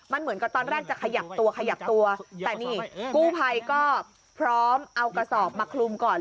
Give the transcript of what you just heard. มันเหมือนกับตอนแรกจะขยับตัวขยับตัวแต่นี่กู้ภัยก็พร้อมเอากระสอบมาคลุมก่อน